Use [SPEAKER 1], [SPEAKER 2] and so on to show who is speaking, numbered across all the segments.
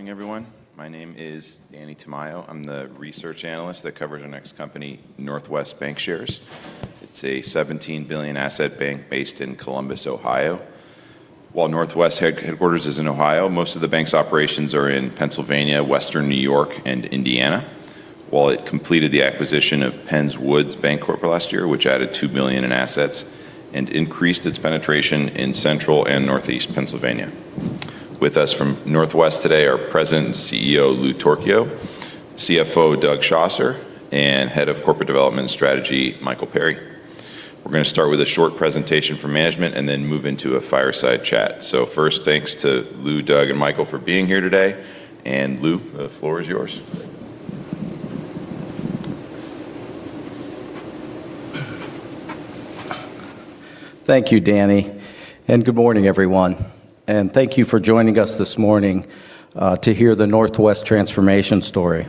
[SPEAKER 1] Morning, everyone. My name is Danny Tamayo. I'm the Research Analyst that covers our next company, Northwest Bancshares. It's a $17 billion asset bank based in Columbus, Ohio. Northwest's headquarters is in Ohio, most of the bank's operations are in Pennsylvania, Western New York, and Indiana. It completed the acquisition of Penns Woods Bancorp last year, which added $2 billion in assets and increased its penetration in Central and Northeast Pennsylvania. With us from Northwest today are President and CEO, Lou Torchio; CFO, Doug Schosser; and Head of Corporate Development and Strategy, Michael Perry. We're gonna start with a short presentation from management and then move into a fireside chat. First, thanks to Lou, Doug, and Michael for being here today. Lou, the floor is yours.
[SPEAKER 2] Thank you, Danny, and good morning, everyone. Thank you for joining us this morning to hear the Northwest transformation story.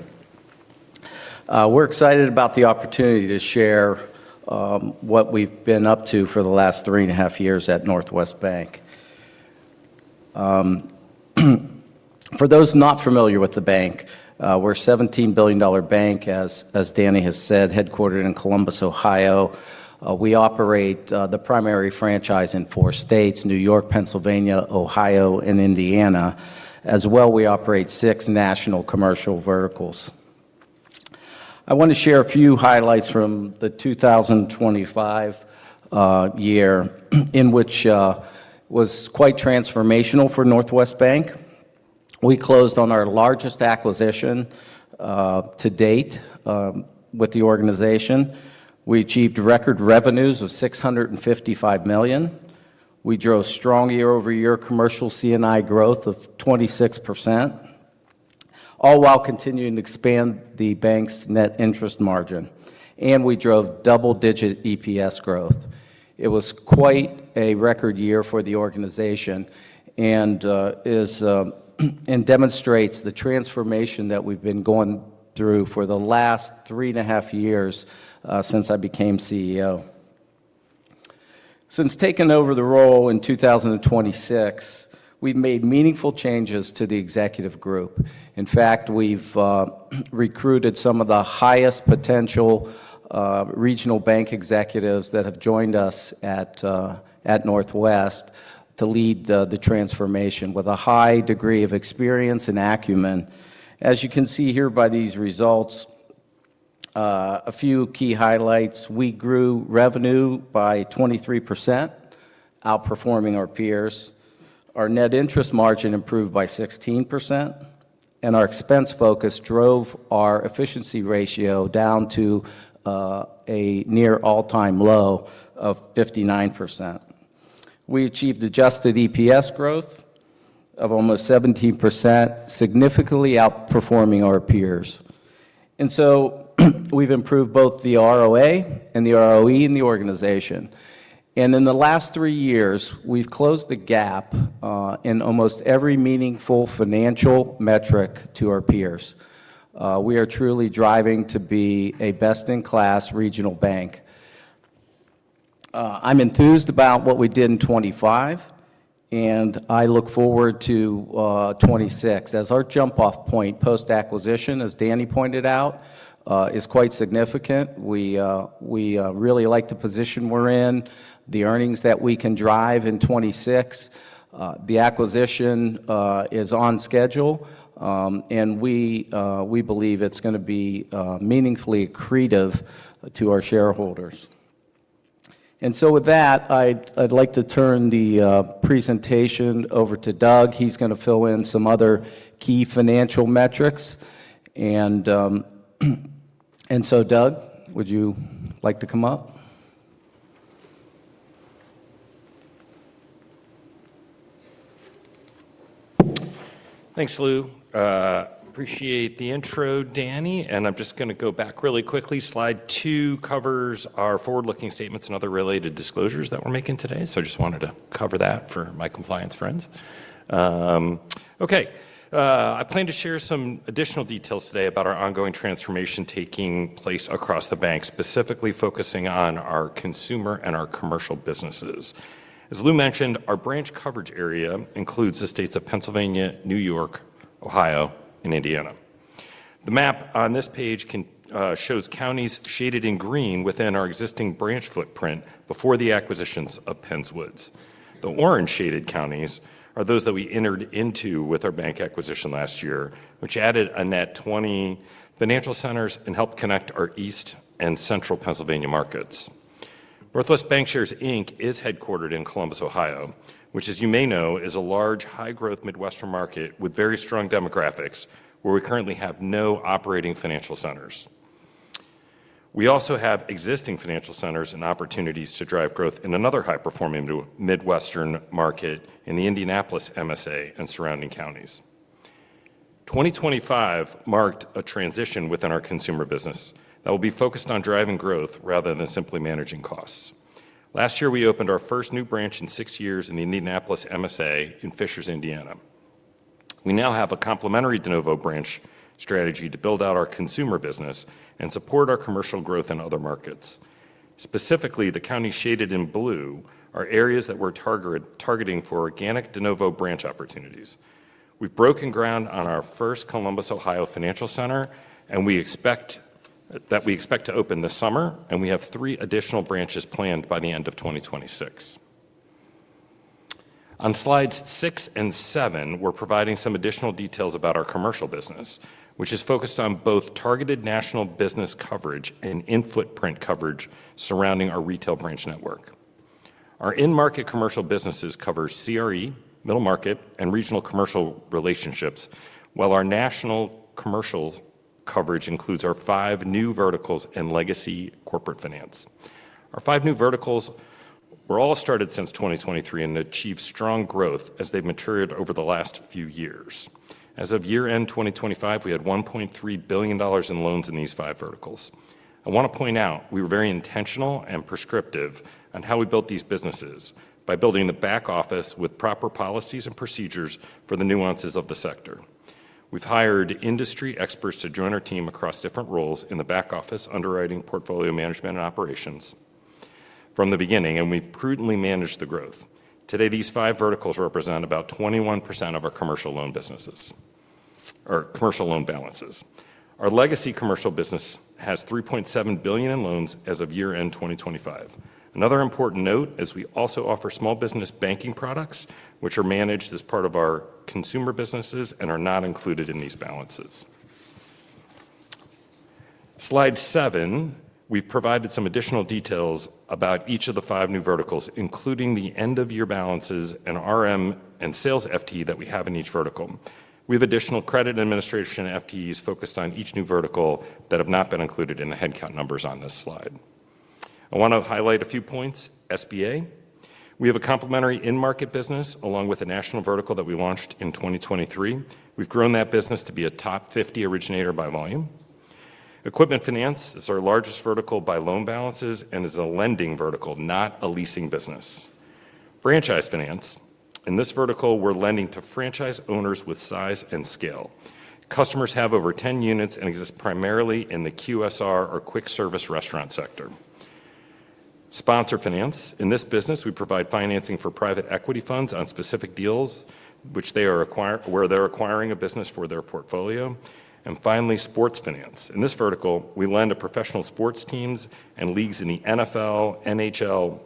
[SPEAKER 2] We're excited about the opportunity to share what we've been up to for the last three and a half years at Northwest Bank. For those not familiar with the bank, we're a $17 billion bank, as Danny has said, headquartered in Columbus, Ohio. We operate the primary franchise in four states, New York, Pennsylvania, Ohio, and Indiana. As well, we operate six national commercial verticals. I want to share a few highlights from the 2025 year in which was quite transformational for Northwest Bank. We closed on our largest acquisition to date with the organization. We achieved record revenues of $655 million. We drove strong year-over-year commercial C&I growth of 26%, all while continuing to expand the bank's net interest margin. We drove double-digit EPS growth. It was quite a record year for the organization and is and demonstrates the transformation that we've been going through for the last three and a half years since I became CEO. Since taking over the role in 2026, we've made meaningful changes to the executive group. In fact, we've recruited some of the highest potential regional bank executives that have joined us at Northwest to lead the transformation with a high degree of experience and acumen. As you can see here by these results, a few key highlights. We grew revenue by 23%, outperforming our peers. Our net interest margin improved by 16%, and our expense focus drove our efficiency ratio down to a near all-time low of 59%. We achieved adjusted EPS growth of almost 17%, significantly outperforming our peers. We've improved both the ROA and the ROE in the organization. In the last three years, we've closed the gap in almost every meaningful financial metric to our peers. We are truly driving to be a best-in-class regional bank. I'm enthused about what we did in 2025, and I look forward to 2026. As our jump-off point post-acquisition, as Danny pointed out, is quite significant. We really like the position we're in, the earnings that we can drive in 2026. The acquisition is on schedule, and we believe it's gonna be meaningfully accretive to our shareholders. With that, I'd like to turn the presentation over to Doug. He's gonna fill in some other key financial metrics. Doug, would you like to come up?
[SPEAKER 3] Thanks, Lou. Appreciate the intro, Danny. I'm just gonna go back really quickly. Slide two covers our forward-looking statements and other related disclosures that we're making today. I just wanted to cover that for my compliance friends. Okay. I plan to share some additional details today about our ongoing transformation taking place across the bank, specifically focusing on our consumer and our commercial businesses. As Lou mentioned, our branch coverage area includes the states of Pennsylvania, New York, Ohio, and Indiana. The map on this page shows counties shaded in green within our existing branch footprint before the acquisitions of Penns Woods. The orange-shaded counties are those that we entered into with our bank acquisition last year, which added a net 20 financial centers and helped connect our East and Central Pennsylvania markets. Northwest Bancshares, Inc. Is headquartered in Columbus, Ohio, which as you may know, is a large, high-growth Midwestern market with very strong demographics, where we currently have no operating financial centers. We also have existing financial centers and opportunities to drive growth in another high-performing new Midwestern market in the Indianapolis MSA and surrounding counties. 2025 marked a transition within our consumer business that will be focused on driving growth rather than simply managing costs. Last year, we opened our first new branch in 6 years in the Indianapolis MSA in Fishers, Indiana. We now have a complementary de novo branch strategy to build out our consumer business and support our commercial growth in other markets. Specifically, the counties shaded in blue are areas that we're targeting for organic de novo branch opportunities. We've broken ground on our first Columbus, Ohio financial center. We expect to open this summer, and we have three additional branches planned by the end of 2026. On slides six and seven, we're providing some additional details about our commercial business, which is focused on both targeted national business coverage and in-footprint coverage surrounding our retail branch network. Our in-market commercial businesses cover CRE, middle market, and regional commercial relationships, while our national commercial coverage includes our five new verticals and legacy corporate finance. Our five new verticals were all started since 2023 and achieved strong growth as they've matured over the last few years. As of year-end 2025, we had $1.3 billion in loans in these five verticals. I want to point out we were very intentional and prescriptive on how we built these businesses by building the back office with proper policies and procedures for the nuances of the sector. We've hired industry experts to join our team across different roles in the back office, underwriting, portfolio management, and operations from the beginning, and we've prudently managed the growth. Today, these five verticals represent about 21% of our commercial loan businesses or commercial loan balances. Our legacy commercial business has $3.7 billion in loans as of year-end 2025. Another important note is we also offer small business banking products which are managed as part of our consumer businesses and are not included in these balances. Slide seven, we've provided some additional details about each of the five new verticals, including the end-of-year balances and RM and sales FT that we have in each vertical. We have additional credit administration FTs focused on each new vertical that have not been included in the headcount numbers on this slide. I want to highlight a few points. SBA, we have a complementary in-market business along with a national vertical that we launched in 2023. We've grown that business to be a top 50 originator by volume. Equipment finance is our largest vertical by loan balances and is a lending vertical, not a leasing business. Franchise finance. In this vertical, we're lending to franchise owners with size and scale. Customers have over 10 units and exist primarily in the QSR or quick service restaurant sector. Sponsor finance. In this business, we provide financing for private equity funds on specific deals which they where they're acquiring a business for their portfolio. Finally, sports finance. In this vertical, we lend to professional sports teams and leagues in the NFL, NHL,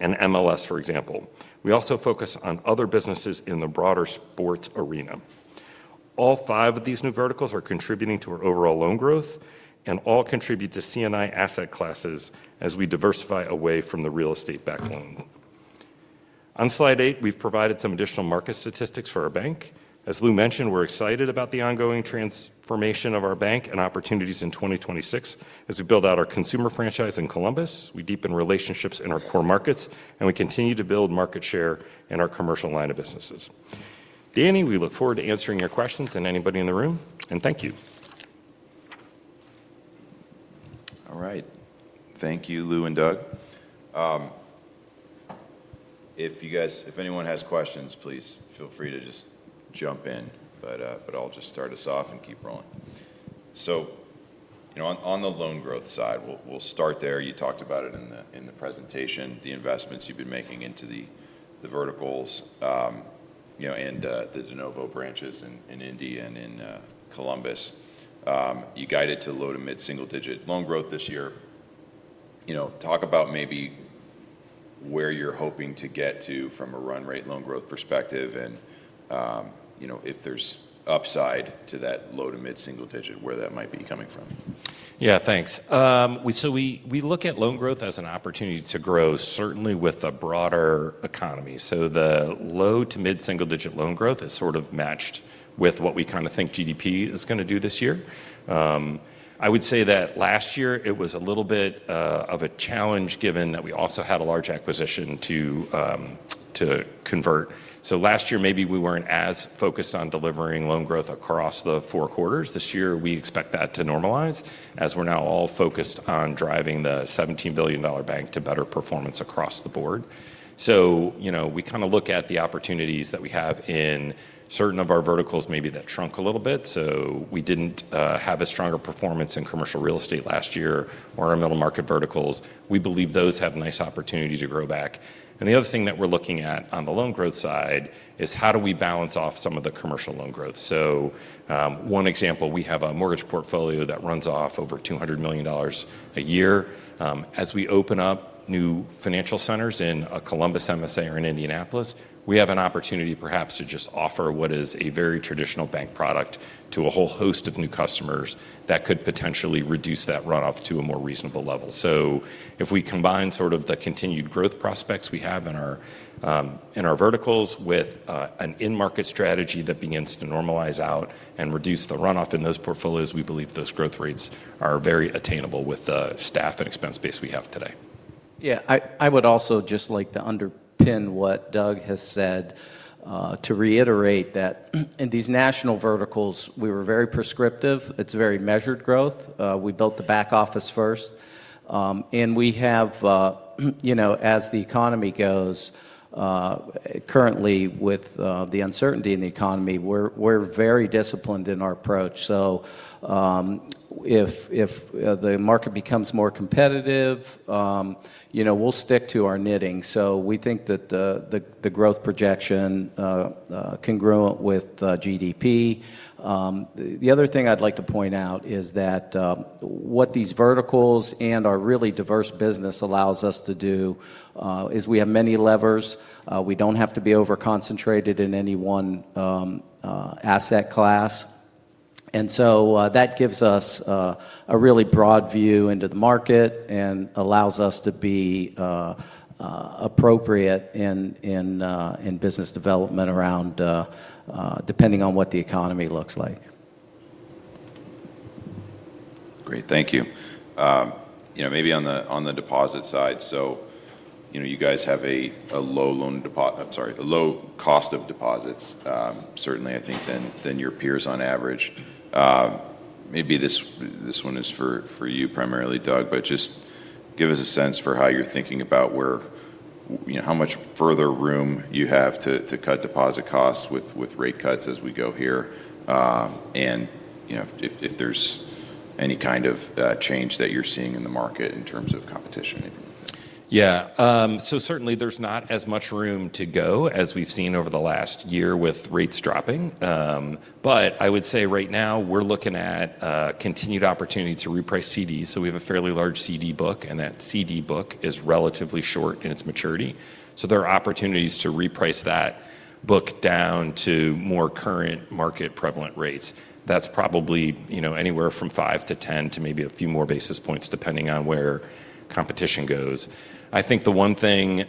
[SPEAKER 3] and MLS, for example. We also focus on other businesses in the broader sports arena. All five of these new verticals are contributing to our overall loan growth and all contribute to C&I asset classes as we diversify away from the real estate-backed loan. On slide eight, we've provided some additional market statistics for our bank. As Lou mentioned, we're excited about the ongoing transformation of our bank and opportunities in 2026 as we build out our consumer franchise in Columbus, we deepen relationships in our core markets, and we continue to build market share in our commercial line of businesses. Danny, we look forward to answering your questions and anybody in the room. Thank you.
[SPEAKER 1] All right. Thank you, Lou and Doug. If anyone has questions, please feel free to just jump in. I'll just start us off and keep rolling. You know, on the loan growth side, we'll start there. You talked about it in the presentation, the investments you've been making into the verticals, you know, and the de novo branches in Indy and in Columbus. You guided to low- to mid-single digit loan growth this year. You know, talk about maybe where you're hoping to get to from a run rate loan growth perspective and, you know, if there's upside to that low- to mid-single digit, where that might be coming from.
[SPEAKER 3] Thanks. We look at loan growth as an opportunity to grow certainly with the broader economy. The low- to mid-single digit loan growth is sort of matched with what we kinda think GDP is gonna do this year. I would say that last year it was a little bit of a challenge given that we also had a large acquisition to convert. Last year, maybe we weren't as focused on delivering loan growth across the four quarters. This year, we expect that to normalize as we're now all focused on driving the $17 billion bank to better performance across the board. You know, we kinda look at the opportunities that we have in certain of our verticals maybe that shrunk a little bit. We didn't have a stronger performance in commercial real estate last year or our middle market verticals. We believe those have nice opportunity to grow back. The other thing that we're looking at on the loan growth side is how do we balance off some of the commercial loan growth. One example, we have a mortgage portfolio that runs off over $200 million a year. As we open up new financial centers in a Columbus MSA or in Indianapolis, we have an opportunity perhaps to just offer what is a very traditional bank product to a whole host of new customers that could potentially reduce that runoff to a more reasonable level. If we combine sort of the continued growth prospects we have in our, in our verticals with an in-market strategy that begins to normalize out and reduce the runoff in those portfolios, we believe those growth rates are very attainable with the staff and expense base we have today.
[SPEAKER 2] Yeah. I would also just like to underpin what Doug has said, to reiterate that in these national verticals, we were very prescriptive. It's very measured growth. We built the back office first. We have, you know, as the economy goes, currently with the uncertainty in the economy, we're very disciplined in our approach. If the market becomes more competitive, you know, we'll stick to our knitting. We think that the growth projection congruent with GDP. The other thing I'd like to point out is that what these verticals and our really diverse business allows us to do is we have many levers. We don't have to be over-concentrated in any one asset class. That gives us a really broad view into the market and allows us to be appropriate in business development around depending on what the economy looks like.
[SPEAKER 1] Great. Thank you. you know, maybe on the, on the deposit side. you know, you guys have a, I'm sorry, a low cost of deposits, certainly I think than your peers on average. maybe this one is for you primarily, Doug, but just give us a sense for how you're thinking about where, you know, how much further room you have to cut deposit costs with rate cuts as we go here. you know, if there's any kind of, change that you're seeing in the market in terms of competition, anything like that.
[SPEAKER 3] Yeah. Certainly there's not as much room to go as we've seen over the last year with rates dropping. I would say right now we're looking at continued opportunity to reprice CDs. We have a fairly large CD book, and that CD book is relatively short in its maturity. There are opportunities to reprice that book down to more current market prevalent rates. That's probably, you know, anywhere from 5 to 10 to maybe a few more basis points depending on where competition goes. I think the one thing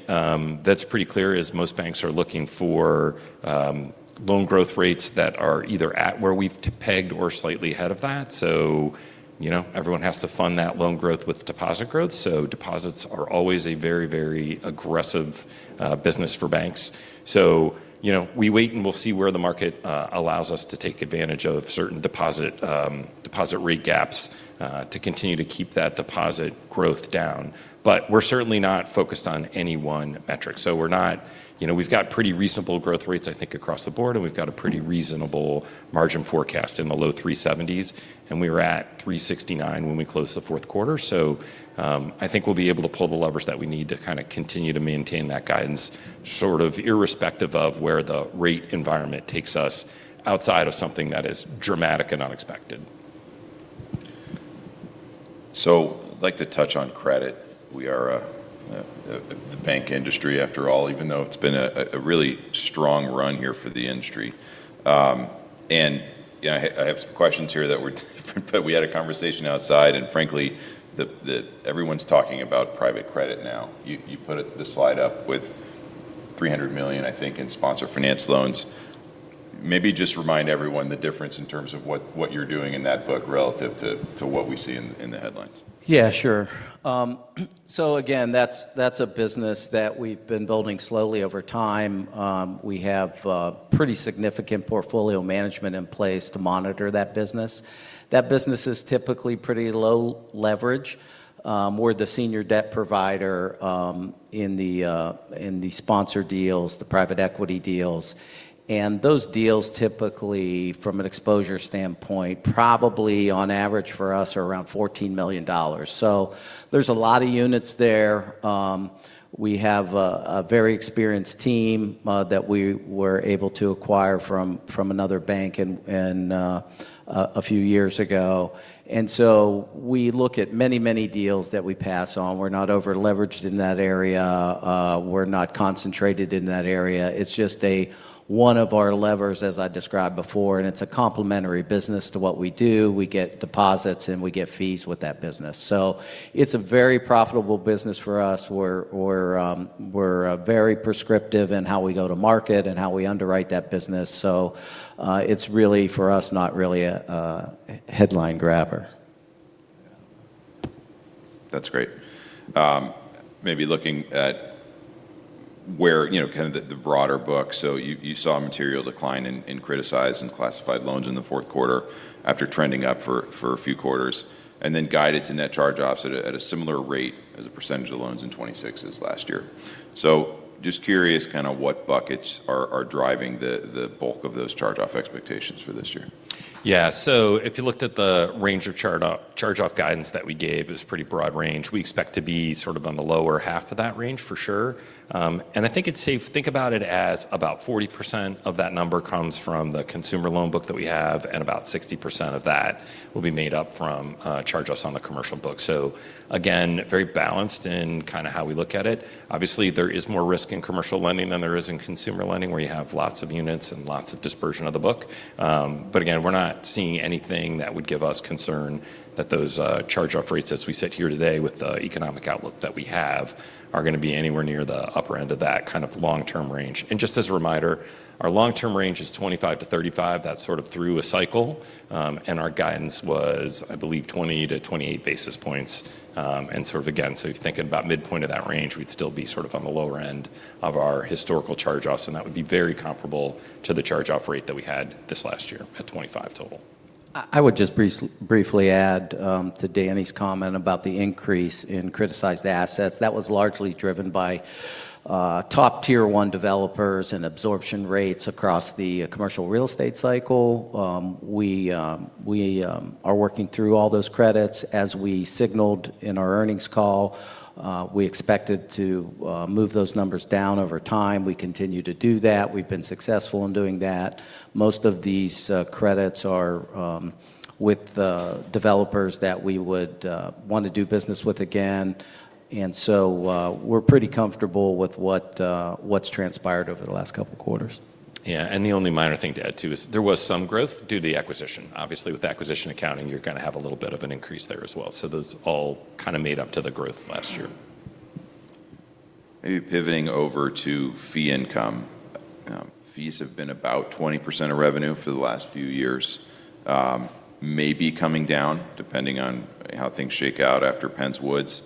[SPEAKER 3] that's pretty clear is most banks are looking for loan growth rates that are either at where we've pegged or slightly ahead of that. You know, everyone has to fund that loan growth with deposit growth. Deposits are always a very, very aggressive business for banks. You know, we wait and we'll see where the market allows us to take advantage of certain deposit rate gaps, to continue to keep that deposit growth down. We're certainly not focused on any one metric. We're not, you know, we've got pretty reasonable growth rates I think across the board, and we've got a pretty reasonable margin forecast in the low 3.70s%, and we were at 3.69% when we closed the fourth quarter. I think we'll be able to pull the levers that we need to kind of continue to maintain that guidance sort of irrespective of where the rate environment takes us outside of something that is dramatic and unexpected.
[SPEAKER 1] I'd like to touch on credit. We are a the bank industry after all, even though it's been a really strong run here for the industry. And you know, I have some questions here that we had a conversation outside and frankly the everyone's talking about private credit now. You put it the slide up with $300 million I think in sponsor finance loans. Maybe just remind everyone the difference in terms of what you're doing in that book relative to what we see in the headlines.
[SPEAKER 2] Yeah, sure. Again, that's a business that we've been building slowly over time. We have a pretty significant portfolio management in place to monitor that business. That business is typically pretty low leverage. We're the senior debt provider in the sponsor deals, the private equity deals. Those deals typically from an exposure standpoint probably on average for us are around $14 million. There's a lot of units there. We have a very experienced team that we were able to acquire from another bank a few years ago. We look at many, many deals that we pass on. We're not over-leveraged in that area. We're not concentrated in that area. It's just a one of our levers as I described before, and it's a complementary business to what we do. We get deposits and we get fees with that business. It's a very profitable business for us. We're very prescriptive in how we go to market and how we underwrite that business. It's really for us not really a headline grabber.
[SPEAKER 1] That's great. Maybe looking at where, you know, kind of the broader book. You saw a material decline in criticized and classified loans in the fourth quarter after trending up for a few quarters and then guided to net charge-offs at a similar rate as a % of loans in 2026 as last year. Just curious kind of what buckets are driving the bulk of those charge-off expectations for this year?
[SPEAKER 3] If you looked at the range of charge-off guidance that we gave is pretty broad range. We expect to be sort of on the lower half of that range for sure. I think it's safe think about it as about 40% of that number comes from the consumer loan book that we have and about 60% of that will be made up from charge-offs on the commercial book. Again, very balanced in kind of how we look at it. Obviously there is more risk in commercial lending than there is in consumer lending where you have lots of units and lots of dispersion of the book. Again, we're not seeing anything that would give us concern that those, charge-off rates as we sit here today with the economic outlook that we have are gonna be anywhere near the upper end of that kind of long-term range. Just as a reminder, our long-term range is 25-35. That's sort of through a cycle. Our guidance was I believe 20-28 basis points. Sort of again, if you're thinking about midpoint of that range, we'd still be sort of on the lower end of our historical charge-offs and that would be very comparable to the charge-off rate that we had this last year at 25 total.
[SPEAKER 2] I would just briefly add to Danny's comment about the increase in criticized assets. That was largely driven by top tier one developers and absorption rates across the commercial real estate cycle. We are working through all those credits. As we signaled in our earnings call, we expected to move those numbers down over time. We continue to do that. We've been successful in doing that. Most of these credits are with the developers that we would want to do business with again. We're pretty comfortable with what's transpired over the last couple quarters.
[SPEAKER 3] Yeah. The only minor thing to add too is there was some growth due to the acquisition. Obviously, with acquisition accounting, you're gonna have a little bit of an increase there as well. Those all kind of made up to the growth last year.
[SPEAKER 1] Maybe pivoting over to fee income. Fees have been about 20% of revenue for the last few years, maybe coming down depending on how things shake out after Penns Woods.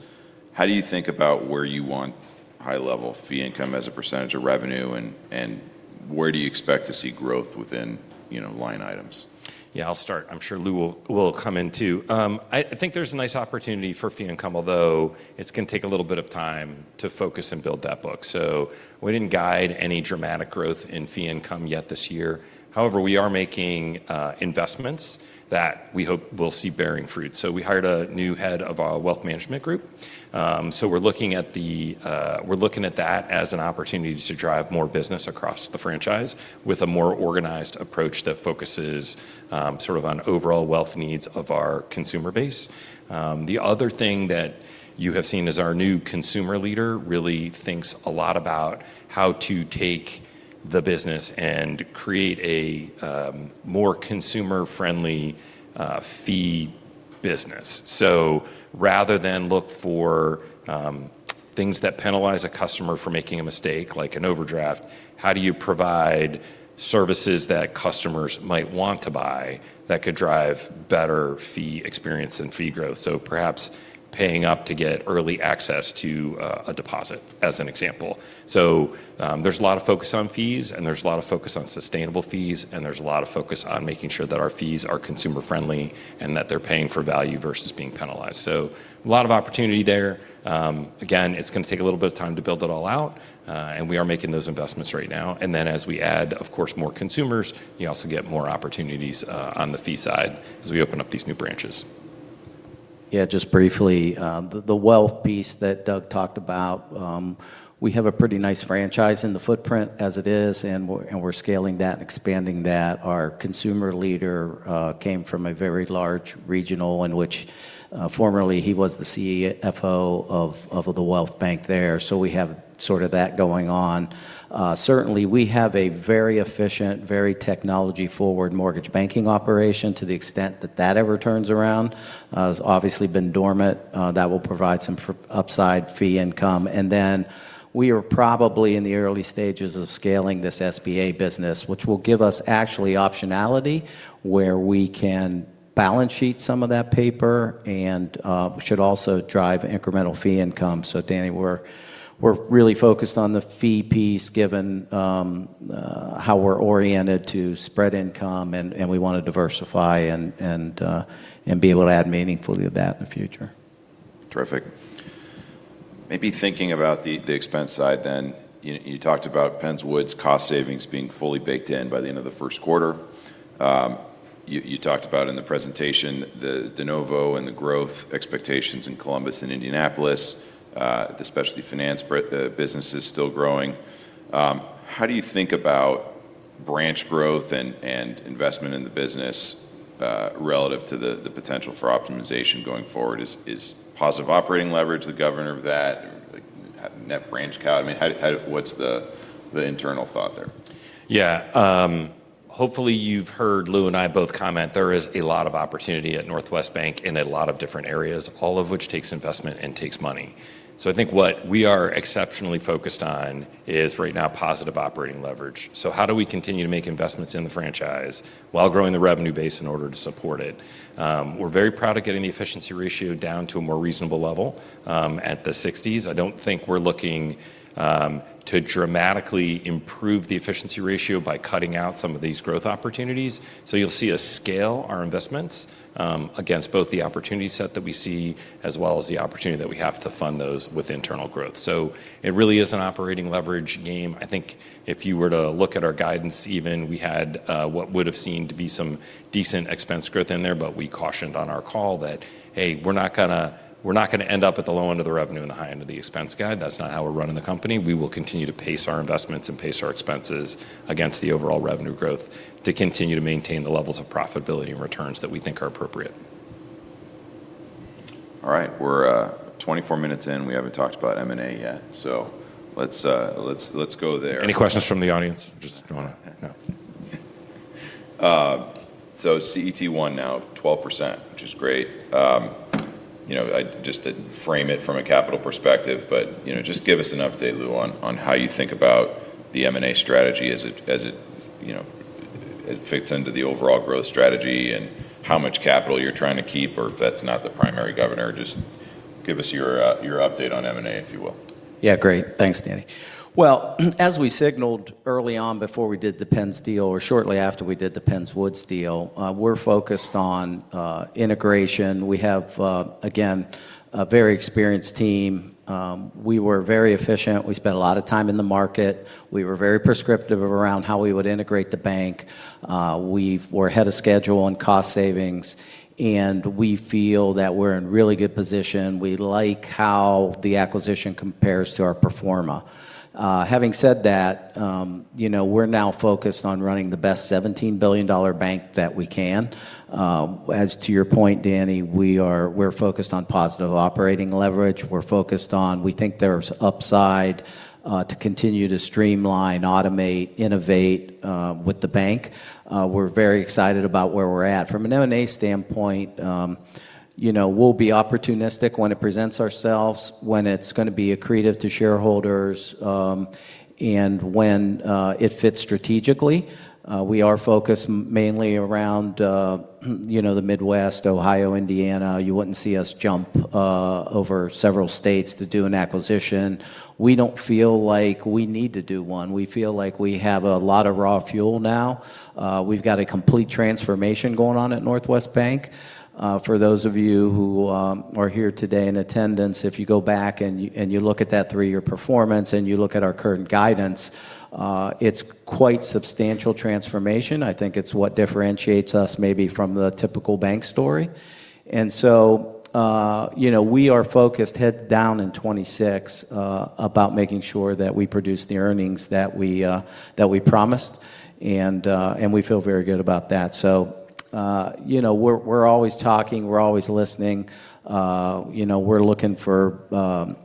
[SPEAKER 1] How do you think about where you want high level fee income as a percentage of revenue, and where do you expect to see growth within, you know, line items?
[SPEAKER 3] Yeah, I'll start. I'm sure Lou will come in too. I think there's a nice opportunity for fee income, although it's gonna take a little bit of time to focus and build that book. We didn't guide any dramatic growth in fee income yet this year. However, we are making investments that we hope will see bearing fruit. We hired a new head of our wealth management group. We're looking at that as an opportunity to drive more business across the franchise with a more organized approach that focuses sort of on overall wealth needs of our consumer base. The other thing that you have seen is our new consumer leader really thinks a lot about how to take the business and create a more consumer-friendly fee business. Rather than look for things that penalize a customer for making a mistake, like an overdraft, how do you provide services that customers might want to buy that could drive better fee experience and fee growth? Perhaps paying up to get early access to a deposit as an example. There's a lot of focus on fees, and there's a lot of focus on sustainable fees, and there's a lot of focus on making sure that our fees are consumer-friendly and that they're paying for value versus being penalized. A lot of opportunity there. Again, it's gonna take a little bit of time to build it all out. We are making those investments right now. As we add, of course, more consumers, you also get more opportunities on the fee side as we open up these new branches.
[SPEAKER 2] Yeah, just briefly, the wealth piece that Doug talked about, we have a pretty nice franchise in the footprint as it is, and we're scaling that and expanding that. Our consumer leader came from a very large regional in which formerly he was the CFO of the wealth bank there. We have sort of that going on. Certainly, we have a very efficient, very technology-forward mortgage banking operation to the extent that that ever turns around. It's obviously been dormant. That will provide some upside fee income. Then we are probably in the early stages of scaling this SBA business, which will give us actually optionality where we can balance sheet some of that paper and should also drive incremental fee income. Danny, we're really focused on the fee piece given how we're oriented to spread income, and we wanna diversify and be able to add meaningfully to that in the future.
[SPEAKER 1] Terrific. Maybe thinking about the expense side then. You, you talked about Penns Woods cost savings being fully baked in by the end of the first quarter. You talked about in the presentation the de novo and the growth expectations in Columbus and Indianapolis. The specialty finance business is still growing. How do you think about branch growth and investment in the business relative to the potential for optimization going forward? Is positive operating leverage the governor of that? Like, net branch count? I mean, how... what's the internal thought there?
[SPEAKER 3] Yeah. Hopefully you've heard Lou and I both comment there is a lot of opportunity at Northwest Bank in a lot of different areas, all of which takes investment and takes money. I think what we are exceptionally focused on is right now positive operating leverage. How do we continue to make investments in the franchise while growing the revenue base in order to support it? We're very proud of getting the efficiency ratio down to a more reasonable level at the 60s. I don't think we're looking to dramatically improve the efficiency ratio by cutting out some of these growth opportunities. You'll see us scale our investments against both the opportunity set that we see as well as the opportunity that we have to fund those with internal growth. It really is an operating leverage game. I think if you were to look at our guidance even, we had what would have seemed to be some decent expense growth in there. We cautioned on our call that, Hey, we're not gonna end up at the low end of the revenue and the high end of the expense guide. That's not how we're running the company. We will continue to pace our investments and pace our expenses against the overall revenue growth to continue to maintain the levels of profitability and returns that we think are appropriate.
[SPEAKER 1] All right. We're 24 minutes in. We haven't talked about M&A yet. Let's go there.
[SPEAKER 3] Any questions from the audience? Just if you wanna... No.
[SPEAKER 1] CET1 now 12%, which is great. you know, I just didn't frame it from a capital perspective, you know, just give us an update, Lou, on how you think about the M&A strategy as it fits into the overall growth strategy and how much capital you're trying to keep, or if that's not the primary governor? Give us your update on M&A, if you will.
[SPEAKER 2] Great. Thanks, Danny. As we signaled early on before we did the Penns deal or shortly after we did the Penns Woods deal, we're focused on integration. We have again, a very experienced team. We were very efficient. We spent a lot of time in the market. We were very prescriptive around how we would integrate the bank. We're ahead of schedule on cost savings. We feel that we're in really good position. We like how the acquisition compares to our pro forma. Having said that, you know, we're now focused on running the best $17 billion bank that we can. As to your point, Danny, we're focused on positive operating leverage. We're focused on. We think there's upside to continue to streamline, automate, innovate with the bank. We're very excited about where we're at. From an M&A standpoint, you know, we'll be opportunistic when it presents ourselves, when it's gonna be accretive to shareholders, and when it fits strategically. We are focused mainly around, you know, the Midwest, Ohio, Indiana. You wouldn't see us jump over several states to do an acquisition. We don't feel like we need to do one. We feel like we have a lot of raw fuel now. We've got a complete transformation going on at Northwest Bank. For those of you who are here today in attendance, if you go back and you look at that 3-year performance and you look at our current guidance, it's quite substantial transformation. I think it's what differentiates us maybe from the typical bank story. You know, we are focused head down in 2026 about making sure that we produce the earnings that we that we promised, and we feel very good about that. You know, we're always talking, we're always listening. You know, we're looking for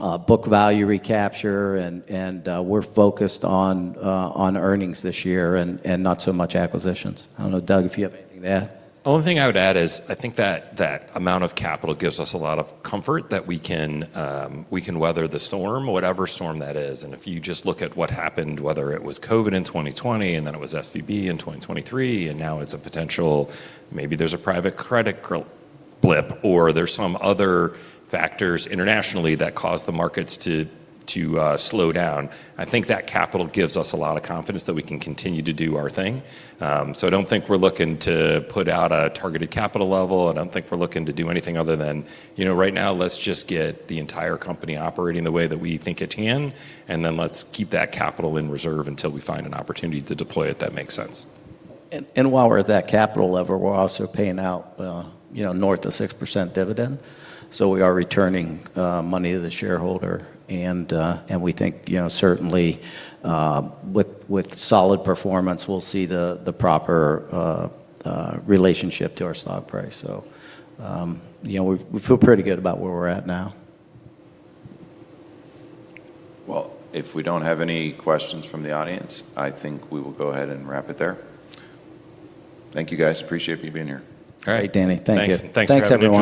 [SPEAKER 2] book value recapture and we're focused on earnings this year and not so much acquisitions. I don't know, Doug, if you have anything to add.
[SPEAKER 3] Only thing I would add is I think that that amount of capital gives us a lot of comfort that we can weather the storm, whatever storm that is. If you just look at what happened, whether it was COVID in 2020, and then it was SVB in 2023, and now it's a potential maybe there's a private credit blip or there's some other factors internationally that cause the markets to slow down. I think that capital gives us a lot of confidence that we can continue to do our thing. I don't think we're looking to put out a targeted capital level. I don't think we're looking to do anything other than, you know, right now let's just get the entire company operating the way that we think it can, and then let's keep that capital in reserve until we find an opportunity to deploy it that makes sense.
[SPEAKER 2] While we're at that capital level, we're also paying out, you know, north of 6% dividend. We are returning money to the shareholder and we think, you know, certainly, with solid performance we'll see the proper relationship to our stock price. You know, we feel pretty good about where we're at now.
[SPEAKER 1] If we don't have any questions from the audience, I think we will go ahead and wrap it there. Thank you, guys. Appreciate you being here.
[SPEAKER 2] All right.
[SPEAKER 3] Great, Danny. Thank you.
[SPEAKER 2] Thanks.
[SPEAKER 3] Thanks, everyone.